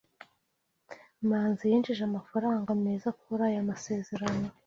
Manzi yinjije amafaranga meza kuri ayo masezerano.